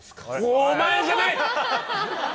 お前じゃない！